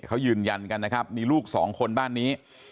เขายืนยันกันนะครับมีลูกสองคนบ้านนี้